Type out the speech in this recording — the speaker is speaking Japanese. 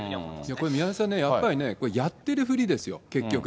これ宮根さんね、やっぱりやってるふりですよ、結局。